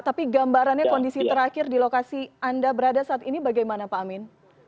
tapi gambarannya kondisi terakhir di lokasi anda berada saat ini bagaimana pak amin